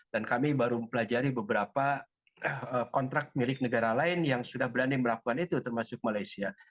dan kami baru mempelajari beberapa kontrak milik negara lain yang sudah berani melakukan itu termasuk malaysia